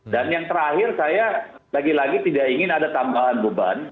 dan yang terakhir saya lagi lagi tidak ingin ada tambahan beban